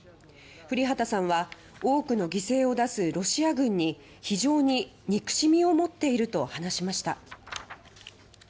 降籏さんは多くの犠牲を出すロシア軍に非常に憎しみを持っていると話しました。